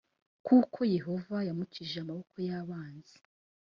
kuko yehova yamukijije amaboko y abanzi